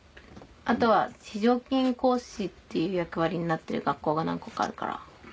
あとは非常勤講師っていう役割になってる学校が何校かあるから。